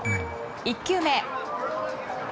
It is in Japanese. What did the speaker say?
１球目。